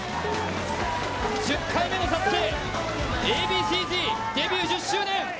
１０回目のＳＡＳＵＫＥＡ．Ｂ．Ｃ−Ｚ、デビュー１０周年。